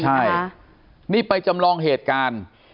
ใช่นี่ไปจำลองเหตุการณ์